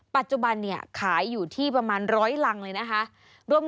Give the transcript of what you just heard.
ปัจจุบันเนี่ยขายอยู่ที่ประมาณ๑๐๐รังเลยนะคะ